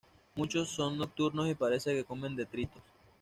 Muchos son nocturnos y parece que comen detritos.